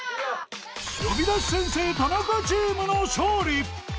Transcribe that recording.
［呼び出し先生タナカチームの勝利］